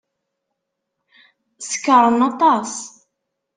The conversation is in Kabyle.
Sekṛen aṭas.